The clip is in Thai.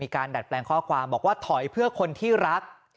ขอบคุณครับ